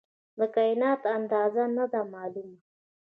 د کائنات اندازه نه ده معلومه.